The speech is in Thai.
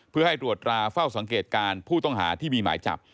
เพื่อให้ตรวจราเฝ้าสังเกตการณ์ผู้ต้องหาที่มีหมายจับ